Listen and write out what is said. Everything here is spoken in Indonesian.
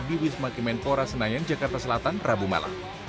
di wisma kemenpora senayan jakarta selatan rabu malam